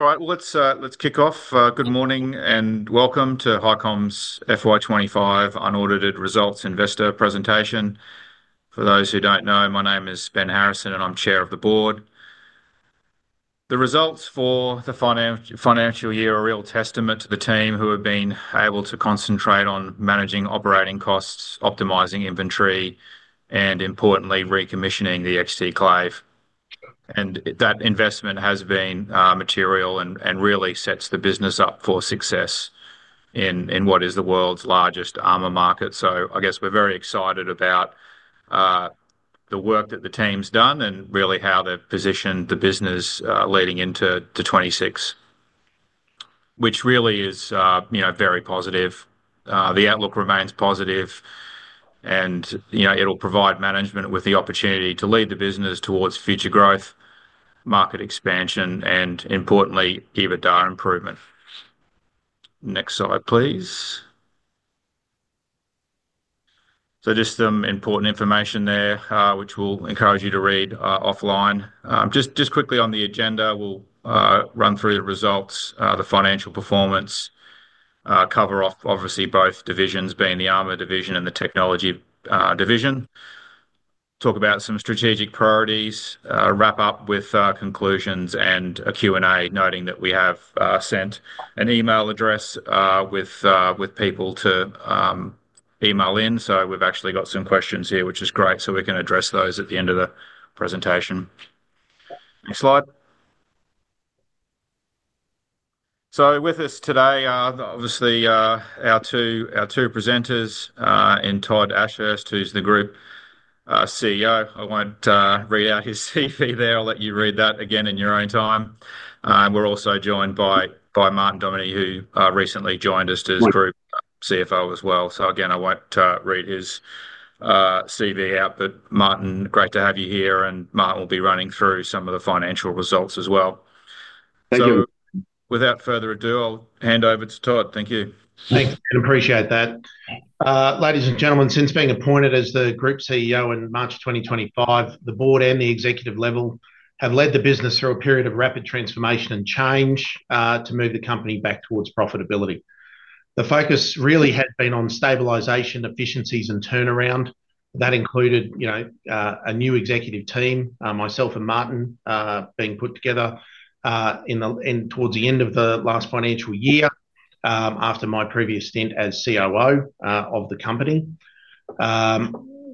Alright, let's kick off. Good morning and welcome to HighCom's FY 2025 Unaudited Results Investor Presentation. For those who don't know, my name is Ben Harrison and I'm Chair of the Board. The results for the financial year are a real testament to the team who have been able to concentrate on managing operating costs, optimizing inventory, and importantly, recommissioning the XTclave. That investment has been material and really sets the business up for success in what is the world's largest armor market. I guess we're very excited about the work that the team's done and really how they've positioned the business leading into 2026, which really is, you know, very positive. The outlook remains positive, and you know, it'll provide management with the opportunity to lead the business towards future growth, market expansion, and importantly, EBITDA improvement. Next slide, please. Just some important information there, which we'll encourage you to read offline. Just quickly on the agenda, we'll run through the results, the financial performance, cover obviously both divisions, being the armor division and the technology division. Talk about some strategic priorities, wrap up with conclusions, and a Q&A, noting that we have sent an email address with people to email in. We've actually got some questions here, which is great, so we can address those at the end of the presentation. Next slide. With us today are obviously our two presenters, in Todd Ashurst, who's the Group CEO. I won't read out his CV there. I'll let you read that again in your own time. We're also joined by Martyn Dominy who recently joined us as Group CFO as well. Again, I won't read his CV out, but Martyn, great to have you here, and Martyn will be running through some of the financial results as well. Thank you. Without further ado, I'll hand over to Todd. Thank you. Thanks. I appreciate that. Ladies and gentlemen, since being appointed as the Group CEO in March 2025, the board and the executive level have led the business through a period of rapid transformation and change to move the company back towards profitability. The focus really had been on stabilization, efficiencies, and turnaround. That included a new executive team, myself and Martyn, being put together towards the end of the last financial year after my previous stint as COO of the company.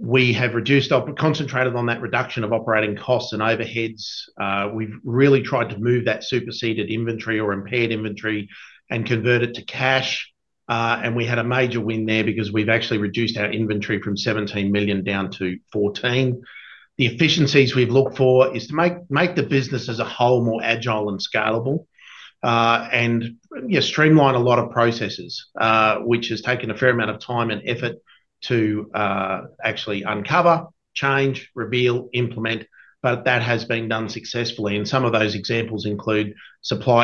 We have reduced, we've concentrated on that reduction of operating costs and overheads. We've really tried to move that superseded inventory or impaired inventory and convert it to cash. We had a major win there because we've actually reduced our inventory from $17 million down to $14 million. The efficiencies we've looked for are to make the business as a whole more agile and scalable and streamline a lot of processes, which has taken a fair amount of time and effort to actually uncover, change, reveal, implement, but that has been done successfully. Some of those examples include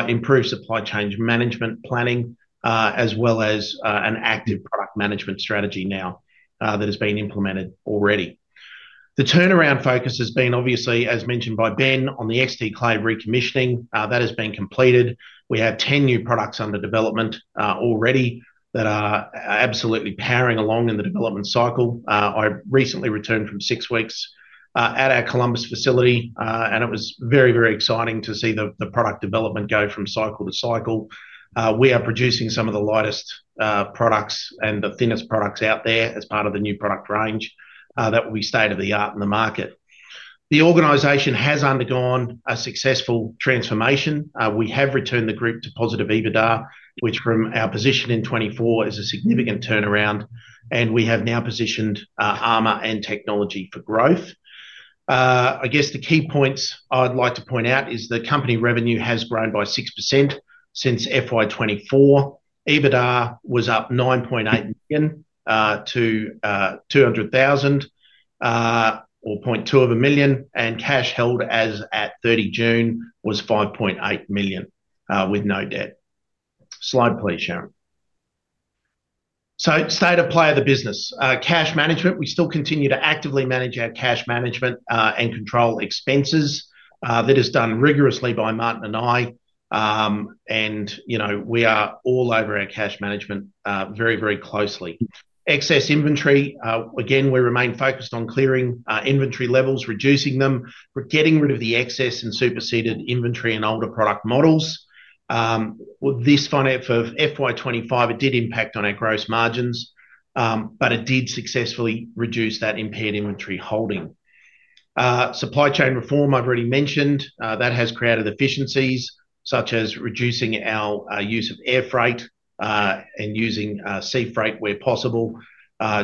improved supply chain management planning, as well as an active product management strategy now that has been implemented already. The turnaround focus has been obviously, as mentioned by Ben, on the XTclave recommissioning. That has been completed. We have 10 new products under development already that are absolutely powering along in the development cycle. I recently returned from six weeks at our Columbus, Ohio facility, and it was very, very exciting to see the product development go from cycle to cycle. We are producing some of the lightest products and the thinnest products out there as part of the new product range that will be state-of-the-art in the market. The organization has undergone a successful transformation. We have returned the group to positive EBITDA, which from our position in 2024 is a significant turnaround, and we have now positioned armor and technology for growth. I guess the key points I'd like to point out are the company revenue has grown by 6% sinceFY 2024. EBITDA was up $9.8 million to $200,000 or $0.2 million, and cash held as at 30 June was $5.8 million with no debt. Slide, please, Sharon. State of play of the business. Cash management, we still continue to actively manage our cash management and control expenses. That is done rigorously by Martyn and I, and we are all over our cash management very, very closely. Excess inventory, again, we remain focused on clearing inventory levels, reducing them. We're getting rid of the excess and superseded inventory in older product models. With this financial for FY 2025, it did impact on our gross margins, but it did successfully reduce that impaired inventory holding. Supply chain reform, I've already mentioned, that has created efficiencies such as reducing our use of air freight and using sea freight where possible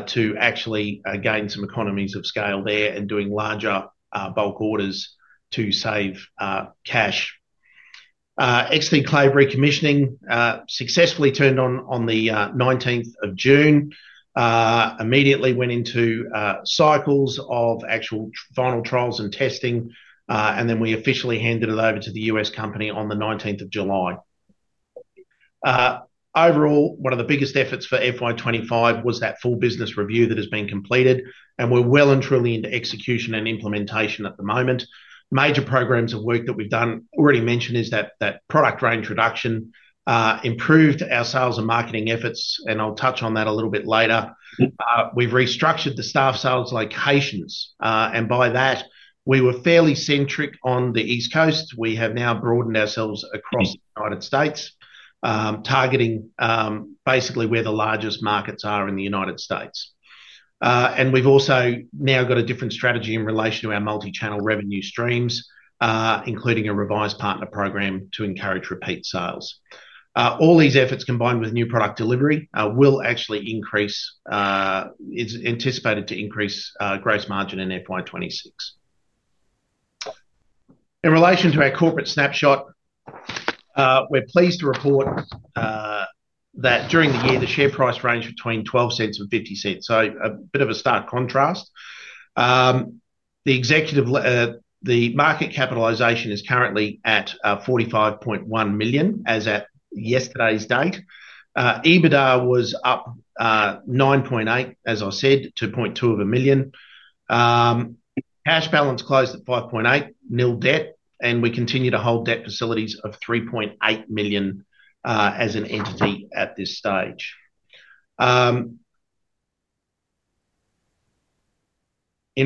to actually gain some economies of scale there and doing larger bulk orders to save cash. XTclave recommissioning successfully turned on the 19th of June, immediately went into cycles of actual final trials and testing, and then we officially handed it over to the U.S., company on the 19th of July. Overall, one of the biggest efforts for FY 2025 was that full business review that has been completed, and we're well and truly into execution and implementation at the moment. Major programs of work that we've done already mentioned is that that product range reduction improved our sales and marketing efforts, and I'll touch on that a little bit later. We've restructured the staff sales locations, and by that, we were fairly centric on the East Coast. We have now broadened ourselves across the United States, targeting basically where the largest markets are in the United States. We've also now got a different strategy in relation to our multi-channel revenue streams, including a revised partner program to encourage repeat sales. All these efforts combined with new product delivery will actually increase, is anticipated to increase gross margin in FY 2026. In relation to our corporate snapshot, we're pleased to report that during the year, the share price ranged between $0.12 and $0.50, so a bit of a stark contrast. The market capitalization is currently at $45.1 million as at yesterday's date. EBITDA was up 9.8%, as I said, to $0.2 million. Cash balance closed at $5.8 million, nil debt, and we continue to hold debt facilities of $3.8 million as an entity at this stage. In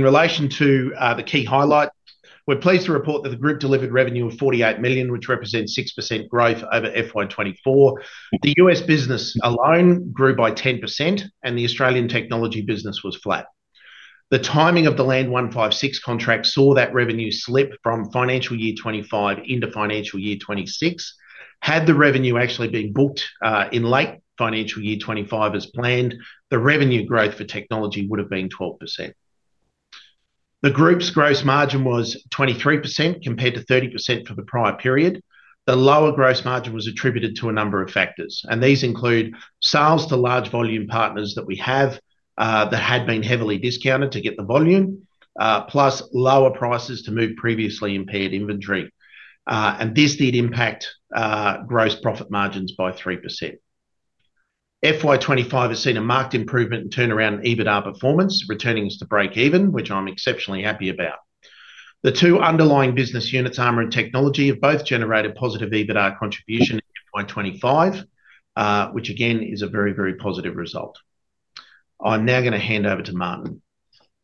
relation to the key highlights, we're pleased to report that the group delivered revenue of $48 million, which represents 6% growth overFY 2024. The U.S., business alone grew by 10%, and the Australian technology business was flat. The timing of the Land 156 contract saw that revenue slip from financial year 2025 into financial year 2026. Had the revenue actually been booked in late financial year 2025 as planned, the revenue growth for technology would have been 12%. The group's gross margin was 23% compared to 30% for the prior period. The lower gross margin was attributed to a number of factors, and these include sales to large volume partners that we have that had been heavily discounted to get the volume, plus lower prices to move previously impaired inventory. This did impact gross profit margins by 3%. FY 2025 has seen a marked improvement in turnaround and EBITDA performance, returning us to break even, which I'm exceptionally happy about. The two underlying business units, armor and technology, have both generated positive EBITDA contribution in FY 2025, which again is a very, very positive result. I'm now going to hand over to Martyn.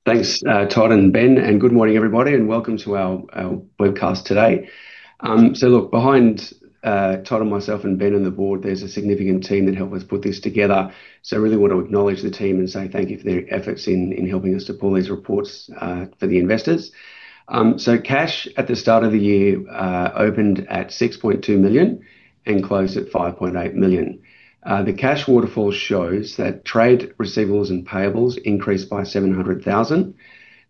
Thanks, Todd and Ben, and good morning everybody, and welcome to our webcast today. Look, behind Todd and myself and Ben and the board, there's a significant team that helped us put this together. I really want to acknowledge the team and say thank you for their efforts in helping us to pull these reports for the investors. Cash at the start of the year opened at $6.2 million and closed at $5.8 million. The cash waterfall shows that trade, receivables, and payables increased by $700,000.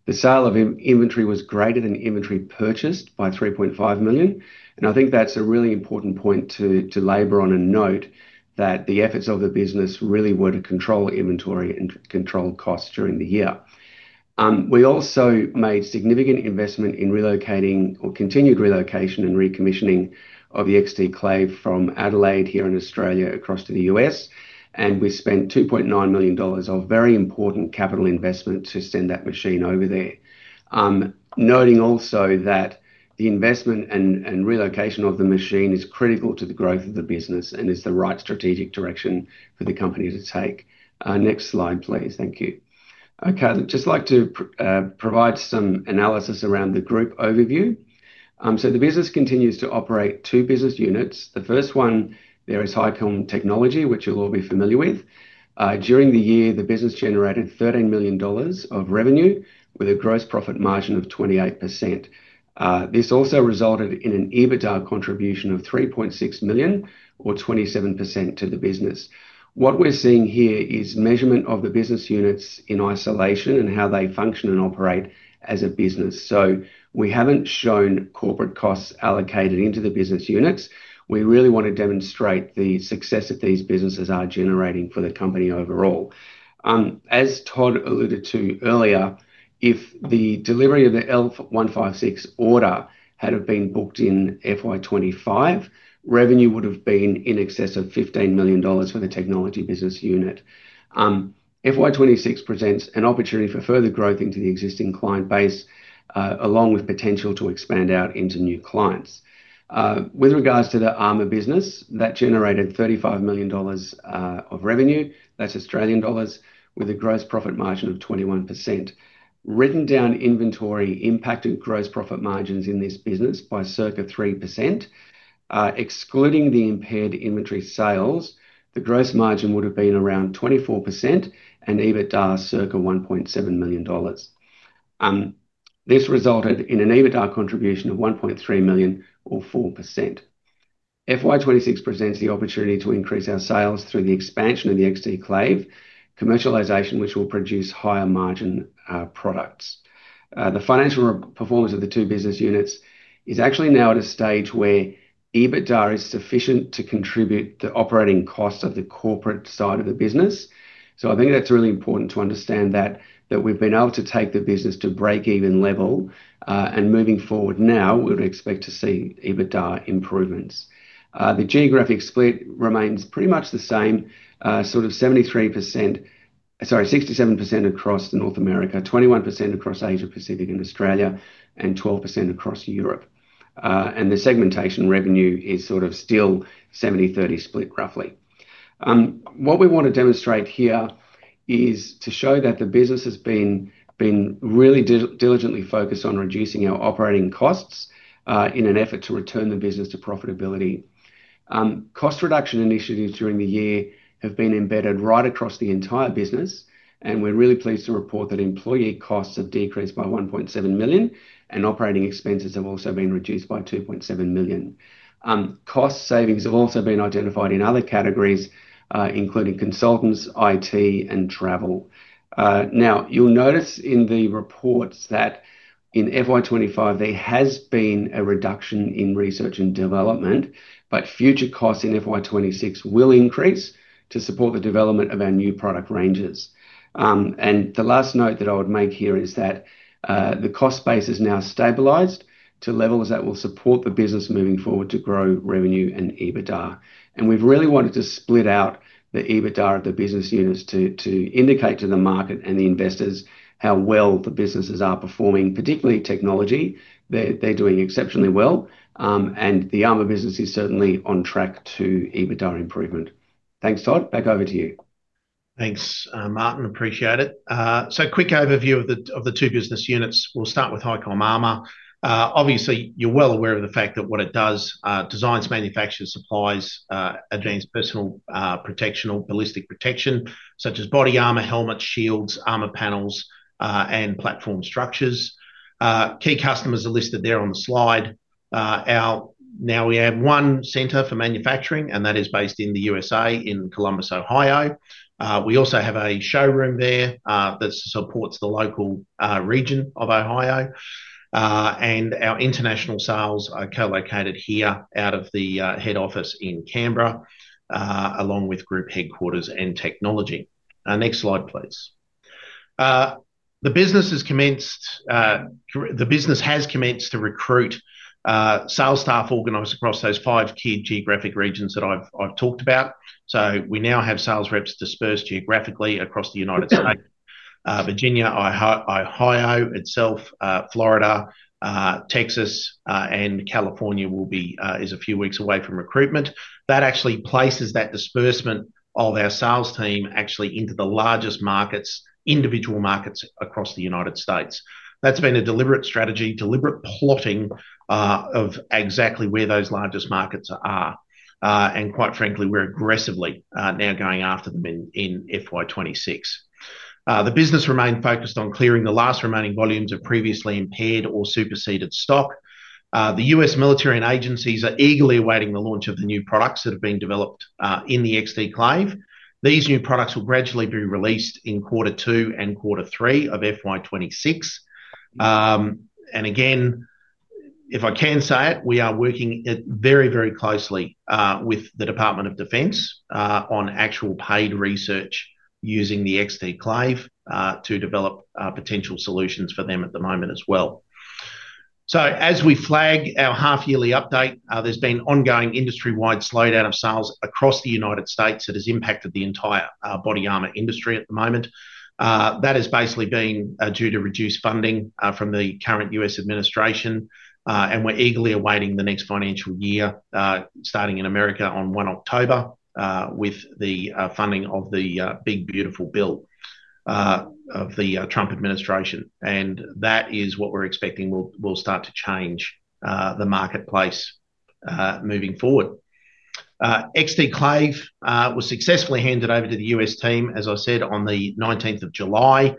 The sale of inventory was greater than inventory purchased by $3.5 million. I think that's a really important point to labor on and note that the efforts of the business really were to control inventory and control costs during the year. We also made significant investment in relocating or continued relocation and recommissioning of the XTclave from Adelaide here in Australia across to the United States. We spent $2.9 million of very important capital investment to send that machine over there. Noting also that the investment and relocation of the machine is critical to the growth of the business and is the right strategic direction for the company to take. Next slide, please. Thank you. I'd just like to provide some analysis around the group overview. The business continues to operate two business units. The first one, there is HighCom Technology, which you'll all be familiar with. During the year, the business generated $13 million of revenue with a gross profit margin of 28%. This also resulted in an EBITDA contribution of $3.6 million or 27% to the business. What we're seeing here is measurement of the business units in isolation and how they function and operate as a business. We haven't shown corporate costs allocated into the business units. We really want to demonstrate the success that these businesses are generating for the company overall. As Todd alluded to earlier, if the delivery of the Land 156 contract order had been booked in FY 2025, revenue would have been in excess of $15 million for the technology business unit. FY 2026 presents an opportunity for further growth into the existing client base, along with potential to expand out into new clients. With regards to the armor business, that generated $35 million of revenue. That's Australian dollars, with a gross profit margin of 21%. Written down inventory impacted gross profit margins in this business by circa 3%. Excluding the impaired inventory sales, the gross margin would have been around 24% and EBITDA circa $1.7 million. This resulted in an EBITDA contribution of $1.3 million or 4%. FY 2026 presents the opportunity to increase our sales through the expansion of the XTclave commercialization, which will produce higher margin products. The financial performance of the two business units is actually now at a stage where EBITDA is sufficient to contribute to operating costs of the corporate side of the business. I think that's really important to understand that we've been able to take the business to break even level, and moving forward now, we would expect to see EBITDA improvements. The geographic split remains pretty much the same, sort of 67% across North America, 21% across Asia Pacific and Australia, and 12% across Europe. The segmentation revenue is sort of still 70%-30 %split, roughly. What we want to demonstrate here is to show that the business has been really diligently focused on reducing our operating costs in an effort to return the business to profitability. Cost reduction initiatives during the year have been embedded right across the entire business, and we're really pleased to report that employee costs have decreased by $1.7 million, and operating expenses have also been reduced by $2.7 million. Cost savings have also been identified in other categories, including consultants, IT, and travel. You'll notice in the reports that in FY 2025, there has been a reduction in research and development, but future costs in FY 2026 will increase to support the development of our new product ranges. The last note that I would make here is that the cost base is now stabilized to levels that will support the business moving forward to grow revenue and EBITDA. We've really wanted to split out the EBITDA of the business units to indicate to the market and the investors how well the businesses are performing, particularly technology. They're doing exceptionally well, and the armor business is certainly on track to EBITDA improvement. Thanks, Todd. Back over to you. Thanks, Martyn. Appreciate it. A quick overview of the two business units. We'll start with HighCom Armor. Obviously, you're well aware of the fact that what it does designs, manufactures, supplies, advanced personal protection, ballistic protection, such as body armor, ballistic helmets, shields, composite armor panels, and platform structures. Key customers are listed there on the slide. We have one center for manufacturing, and that is based in the U.S., in Columbus, Ohio. We also have a showroom there that supports the local region of Ohio, and our international sales are co-located here out of the head office in Canberra, along with group headquarters and technology. Next slide, please. The business has commenced to recruit sales staff organized across those five key geographic regions that I've talked about. We now have sales reps dispersed geographically across the United States, Virginia, Ohio itself, Florida, Texas, and California is a few weeks away from recruitment. That actually places that dispersal of our sales team into the largest markets, individual markets across the United States. That's been a deliberate strategy, deliberate plotting of exactly where those largest markets are. Quite frankly, we're aggressively now going after them in FY 2026. The business remains focused on clearing the last remaining volumes of previously impaired or superseded stock. The U.S., military and agencies are eagerly awaiting the launch of the new products that have been developed in the XTclave. These new products will gradually be released in quarter two and quarter three of FY 2026. If I can say it, we are working very, very closely with the Department of Defence on actual paid research using the XTclave to develop potential solutions for them at the moment as well. As we flag our half-yearly update, there's been ongoing industry-wide slowdown of sales across the United States that has impacted the entire body armor industry at the moment. That has basically been due to reduced funding from the current U.S., administration, and we're eagerly awaiting the next financial year, starting in America on 1 October, with the funding of the big beautiful build of the Trump administration. That is what we're expecting will start to change the marketplace moving forward. XTclave was successfully handed over to the U.S., team, as I said, on 19th, July.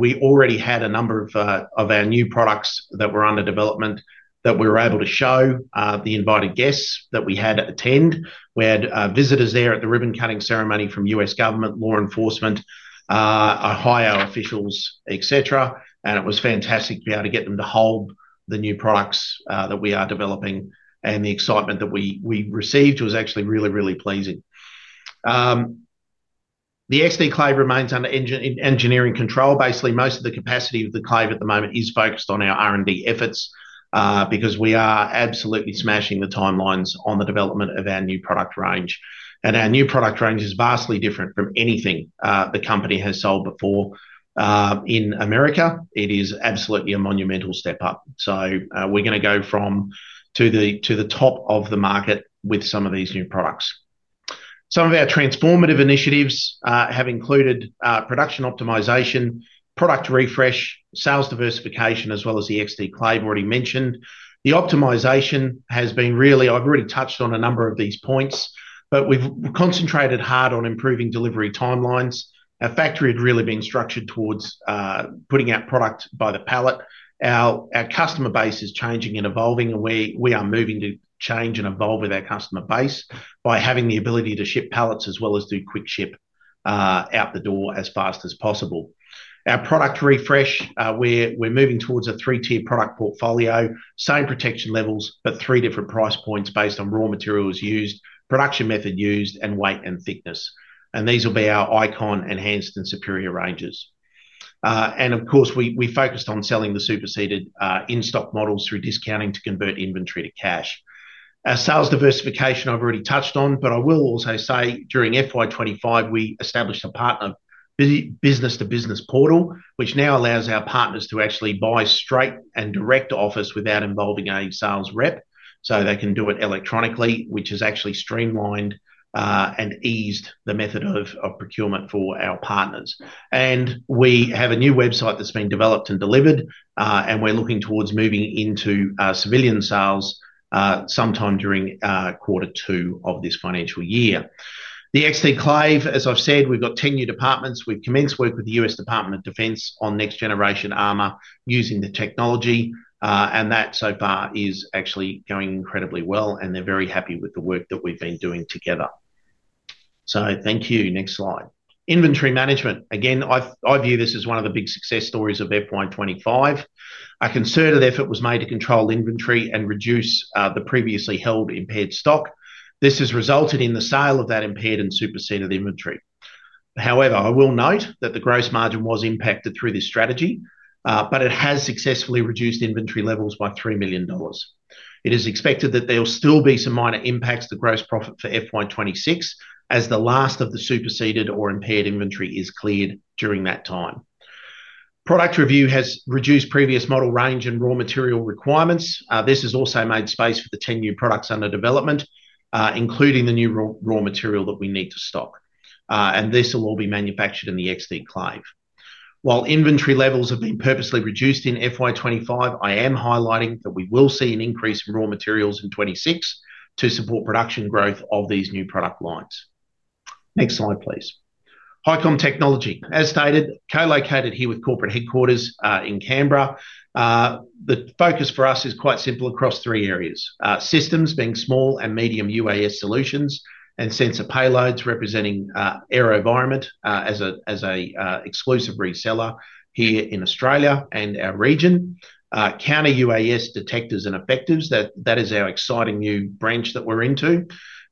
We already had a number of our new products that were under development that we were able to show the invited guests that we had attend. We had visitors there at the ribbon cutting ceremony from U.S., government, law enforcement, Ohio officials, etc. It was fantastic to be able to get them to hold the new products that we are developing, and the excitement that we received was actually really, really pleasing. The XTclave remains under engineering control. Basically, most of the capacity of the clave at the moment is focused on our R&D efforts because we are absolutely smashing the timelines on the development of our new product range. Our new product range is vastly different from anything the company has sold before in America. It is absolutely a monumental step up. We are going to go to the top of the market with some of these new products. Some of our transformative initiatives have included production optimization, product refresh, sales diversification, as well as the XTclave already mentioned. The optimization has been really, I've already touched on a number of these points, but we've concentrated hard on improving delivery timelines. Our factory had really been structured towards putting out product by the pallet. Our customer base is changing and evolving, and we are moving to change and evolve with our customer base by having the ability to ship pallets as well as do quick ship out the door as fast as possible. Our product refresh, we're moving towards a three-tier product portfolio, same protection levels, but three different price points based on raw materials used, production method used, and weight and thickness. These will be our icon, enhanced, and superior ranges. Of course, we focused on selling the superseded in-stock models through discounting to convert inventory to cash. Our sales diversification I've already touched on, but I will also say during FY 2025, we established a partner B2B portal, which now allows our partners to actually buy straight and direct to office without involving a sales rep. They can do it electronically, which has actually streamlined and eased the method of procurement for our partners. We have a new website that's been developed and delivered, and we're looking towards moving into civilian sales sometime during quarter two of this financial year. The XTclave, as I've said, we've got 10 new departments. We've commenced work with the U.S. Department of Defence on next-generation armor using the technology, and that so far is actually going incredibly well, and they're very happy with the work that we've been doing together. Thank you. Next slide. Inventory management. Again, I view this as one of the big success stories of FY 2025. A concerted effort was made to control inventory and reduce the previously held impaired stock. This has resulted in the sale of that impaired and superseded inventory. However, I will note that the gross margin was impacted through this strategy, but it has successfully reduced inventory levels by $3 million. It is expected that there will still be some minor impacts to the gross profit for FY 2026 as the last of the superseded or impaired inventory is cleared during that time. Product review has reduced previous model range and raw material requirements. This has also made space for the 10 new products under development, including the new raw material that we need to stock. This will all be manufactured in the XTclave. While inventory levels have been purposely reduced in FY 2025, I am highlighting that we will see an increase in raw materials in 2026 to support production growth of these new product lines. Next slide, please. HighCom Technology. As stated, co-located here with corporate headquarters in Canberra, the focus for us is quite simple across three areas: systems being small and medium UAS solutions, and sensor payloads representing AeroVironment as an exclusive reseller here in Australia and our region. Counter-UAS detectors and effectors, that is our exciting new branch that we're into.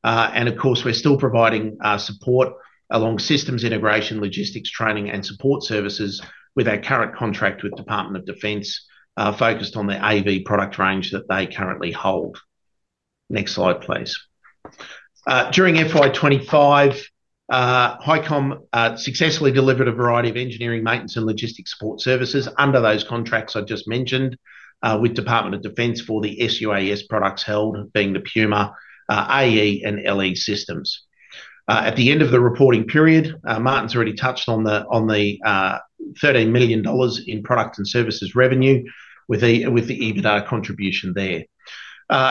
Of course, we're still providing support along systems integration, logistics, training, and support services with our current contract with the Department of Defence, focused on the AV product range that they currently hold. Next slide, please. During FY 2025, HighCom successfully delivered a variety of engineering, maintenance, and logistics support services under those contracts I just mentioned with the Department of Defence for the SUAS products held, being the Puma, AE, and LE systems. At the end of the reporting period, Martyn's already touched on the $13 million in product and services revenue with the EBITDA contribution there.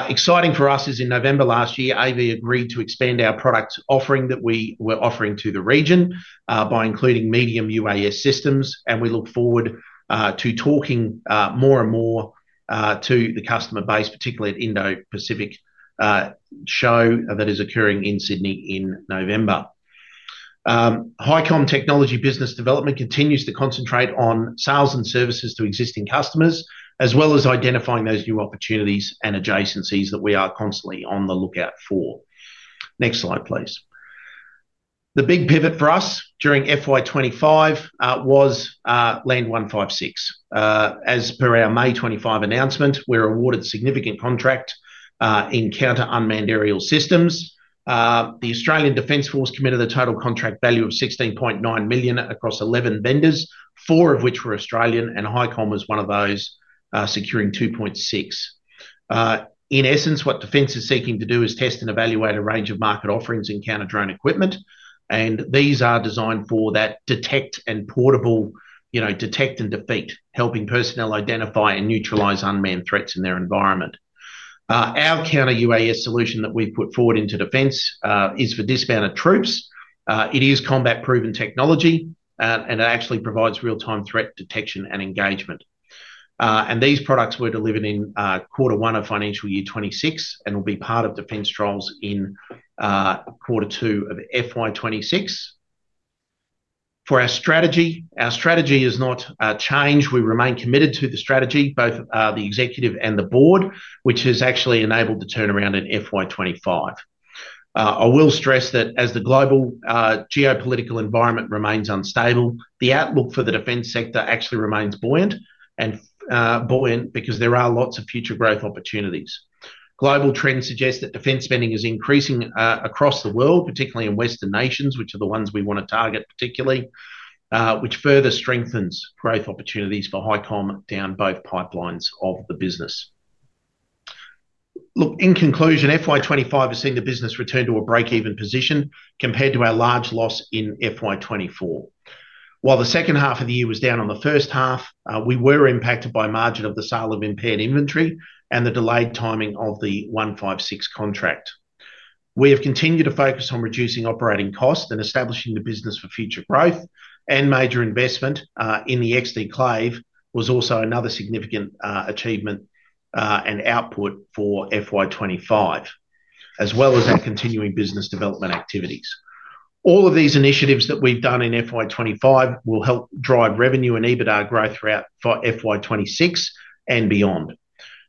Exciting for us is in November last year, AeroVironment agreed to expand our product offering that we were offering to the region by including medium UAS systems, and we look forward to talking more and more to the customer base, particularly at the Indo-Pacific show that is occurring in Sydney in November. HighCom Technology business development continues to concentrate on sales and services to existing customers, as well as identifying those new opportunities and adjacencies that we are constantly on the lookout for. Next slide, please. The big pivot for us during FY 2025 was Land 156. As per our May 2025 announcement, we were awarded a significant contract in counter-UAS. The Australian Defence Force committed a total contract value of $16.9 million across 11 vendors, four of which were Australian, and HighCom was one of those, securing $2.6 million. In essence, what Defence is seeking to do is test and evaluate a range of market offerings in counter-drone equipment, and these are designed for that detect and portable, you know, detect and defeat, helping personnel identify and neutralize unmanned threats in their environment. Our counter-UAS solution that we've put forward into Defence is for dismounted troops. It is combat-proven technology, and it actually provides real-time threat detection and engagement. These products were delivered in quarter one of financial year 2026 and will be part of Defence trials in quarter two of FY 2026. For our strategy, our strategy has not changed. We remain committed to the strategy, both the executive and the board, which has actually enabled the turnaround in FY 2025. I will stress that as the global geopolitical environment remains unstable, the outlook for the defense sector actually remains buoyant and buoyant because there are lots of future growth opportunities. Global trends suggest that defense spending is increasing across the world, particularly in Western nations, which are the ones we want to target particularly, which further strengthens growth opportunities for HighCom down both pipelines of the business. In conclusion, FY 2025 has seen the business return to a break-even position compared to our large loss in FY 2024. While the second half of the year was down on the first half, we were impacted by margin of the sale of impaired inventory and the delayed timing of the Land 156 contract. We have continued to focus on reducing operating costs and establishing the business for future growth, and major investment in the XTclave was also another significant achievement and output for FY 2025, as well as our continuing business development activities. All of these initiatives that we've done in FY 2025 will help drive revenue and EBITDA growth throughout FY 2026 and beyond.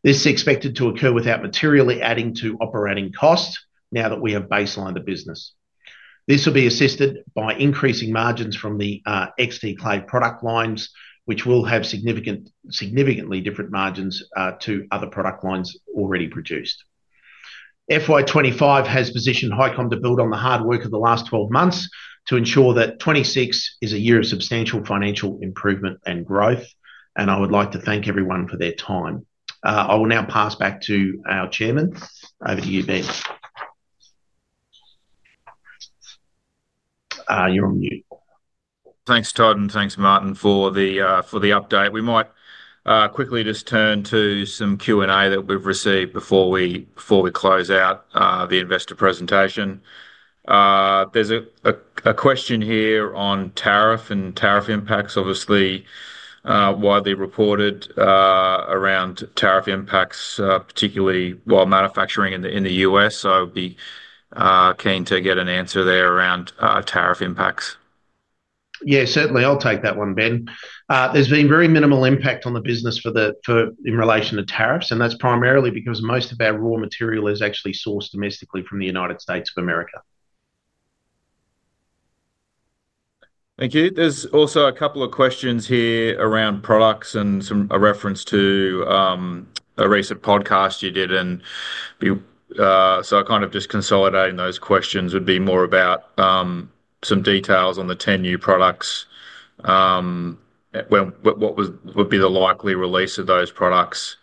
This is expected to occur without materially adding to operating costs now that we have baselined the business. This will be assisted by increasing margins from the XTclave product lines, which will have significantly different margins to other product lines already produced. FY 2025 has positioned HighCom to build on the hard work of the last 12 months to ensure that 2026 is a year of substantial financial improvement and growth, and I would like to thank everyone for their time. I will now pass back to our Chairman. Over to you, Ben. You're on mute. Thanks, Todd, and thanks, Martyn, for the update. We might quickly just turn to some Q&A that we've received before we close out the investor presentation. There's a question here on tariff and tariff impacts, obviously widely reported around tariff impacts, particularly while manufacturing in the U.S. I'd be keen to get an answer there around tariff impacts. Yeah, certainly. I'll take that one, Ben. There's been very minimal impact on the business in relation to tariffs, and that's primarily because most of our raw material is actually sourced domestically from the United States of America. Thank you. There's also a couple of questions here around products and some reference to a recent podcast you did. I am just consolidating those questions, which would be more about some details on the 10 new products. What would be the likely release of those products?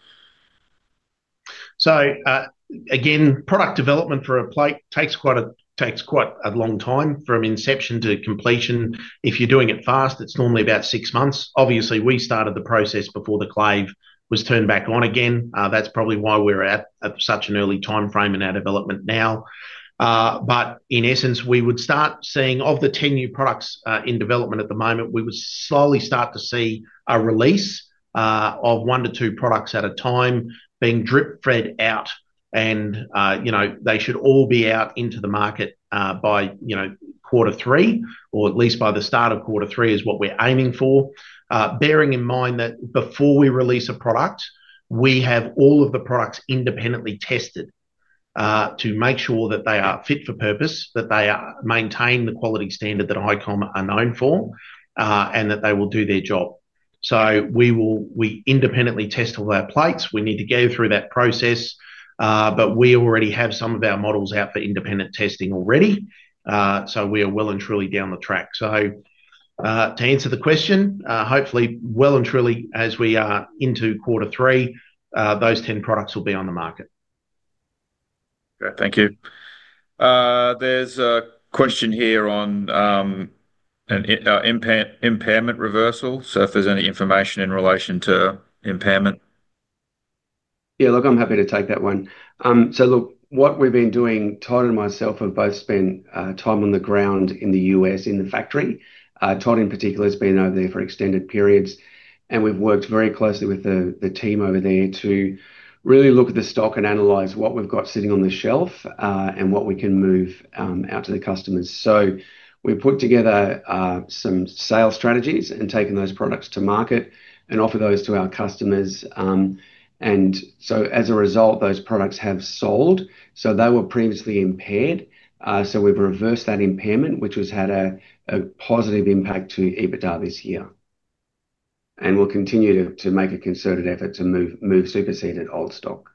Product development for a plate takes quite a long time from inception to completion. If you're doing it fast, it's normally about six months. Obviously, we started the process before the XTclave was turned back on again. That's probably why we're at such an early timeframe in our development now. In essence, we would start seeing, of the 10 new products in development at the moment, a release of one to two products at a time being drip fed out. They should all be out into the market by quarter three, or at least by the start of quarter three is what we're aiming for. Bearing in mind that before we release a product, we have all of the products independently tested to make sure that they are fit for purpose, that they maintain the quality standard that HighCom are known for, and that they will do their job. We will independently test all our plates. We need to go through that process, but we already have some of our models out for independent testing already. We are well and truly down the track. To answer the question, hopefully, as we are into quarter three, those 10 products will be on the market. Great. Thank you. There's a question here on impairment reversal. If there's any information in relation to impairment. Yeah, look, I'm happy to take that one. What we've been doing, Todd and myself have both spent time on the ground in the U.S., in the factory. Todd in particular has been over there for extended periods, and we've worked very closely with the team over there to really look at the stock and analyze what we've got sitting on the shelf and what we can move out to the customers. We've put together some sales strategies and taken those products to market and offered those to our customers. As a result, those products have sold. They were previously impaired, so we've reversed that impairment, which has had a positive impact to EBITDA this year. We'll continue to make a concerted effort to move superseded old stock.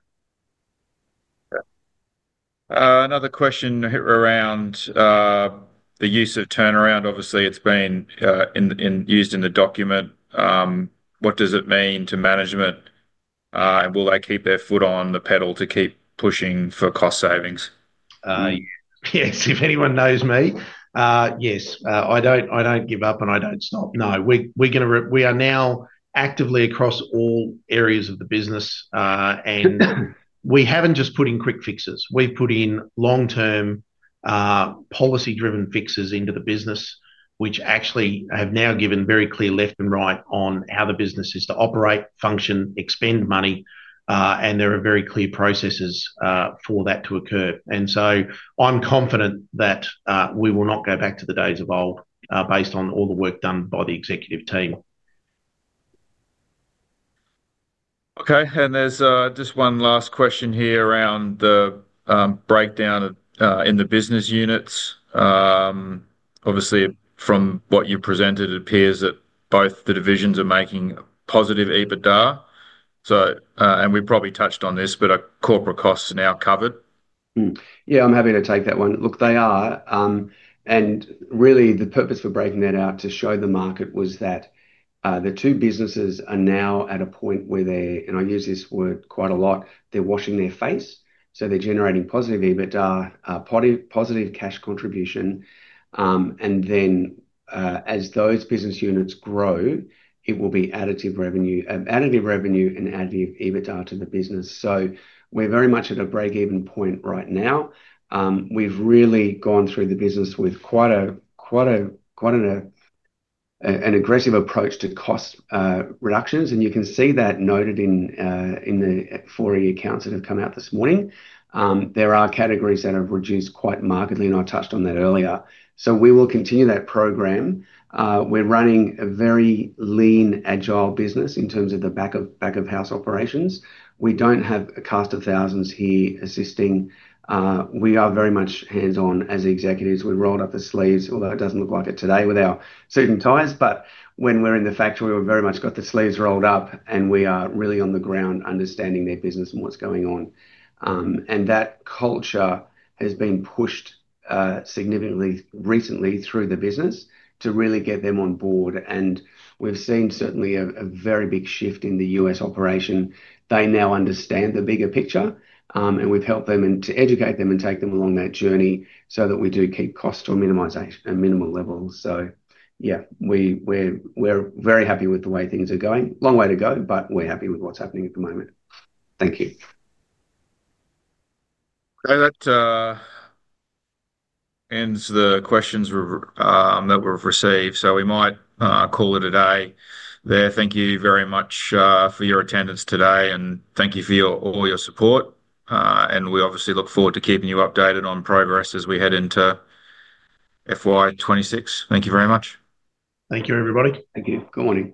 Another question around the use of turnaround. Obviously, it's been used in the document. What does it mean to management? Will they keep their foot on the pedal to keep pushing for cost savings? Yes, if anyone knows me, yes. I don't give up and I don't stop. We are now actively across all areas of the business. We haven't just put in quick fixes. We put in long-term policy-driven fixes into the business, which actually have now given very clear left and right on how the business is to operate, function, expend money, and there are very clear processes for that to occur. I'm confident that we will not go back to the days of old based on all the work done by the executive team. Okay, and there's just one last question here around the breakdown in the business units. Obviously, from what you presented, it appears that both the divisions are making positive EBITDA, and we probably touched on this, but our corporate costs are now covered. Yeah, I'm happy to take that one. Look, they are. The purpose for breaking that out to show the market was that the two businesses are now at a point where they're, and I use this word quite a lot, they're washing their face. They're generating positive EBITDA, positive cash contribution. As those business units grow, it will be additive revenue and additive EBITDA to the business. We're very much at a break-even point right now. We've really gone through the business with quite an aggressive approach to cost reductions. You can see that noted in the four-year accounts that have come out this morning. There are categories that have reduced quite markedly, and I touched on that earlier. We will continue that program. We're running a very lean, agile business in terms of the back-of-house operations. We don't have a cast of thousands here assisting. We are very much hands-on as executives. We rolled up the sleeves, although it doesn't look like it today with our suit and ties. When we're in the factory, we've very much got the sleeves rolled up, and we are really on the ground understanding their business and what's going on. That culture has been pushed significantly recently through the business to really get them on board. We've seen certainly a very big shift in the U.S., operation. They now understand the bigger picture, and we've helped them to educate them and take them along that journey so that we do keep costs on a minimal level. Yeah, we're very happy with the way things are going. Long way to go, but we're happy with what's happening at the moment. Thank you. Okay, that ends the questions that we've received. We might call it a day there. Thank you very much for your attendance today, and thank you for all your support. We obviously look forward to keeping you updated on progress as we head into FY 2026. Thank you very much. Thank you, everybody. Thank you. Good morning.